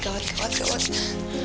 apa aku cari dia aja ya